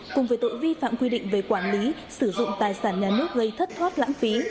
cùng với tội vi phạm quy định về quản lý sử dụng tài sản nhà nước gây thất thoát lãng phí